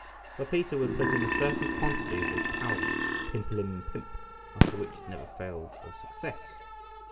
For Peter would put in a certain quantity of his powder pimperlim pimp, after which it never failed of success.